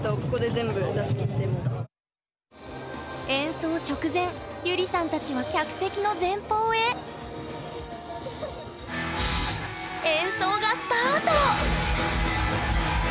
演奏直前ゆりさんたちは客席の前方へ演奏がスタート！